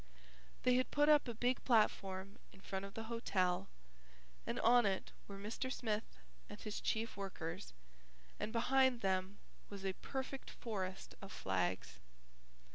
They had put up a big platform in front of the hotel, and on it were Mr. Smith and his chief workers, and behind them was a perfect forest of flags.